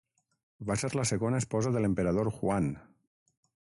Va ser la segona esposa de l'emperador Huan.